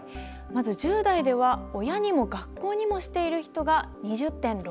まず１０代では親にも学校にもしている人が２０．６％。